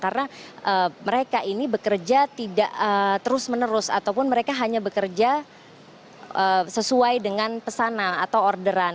karena mereka ini bekerja tidak terus menerus ataupun mereka hanya bekerja sesuai dengan pesanan atau orderan